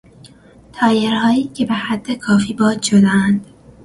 تایرهایی که به حد کافی باد شدهاند